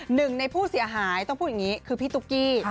หนึ่งในผู้เสียหายต้องพูดอย่างนี้คือพี่ตุ๊กกี้